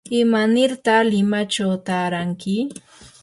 ¿imanirta limachaw taaranki?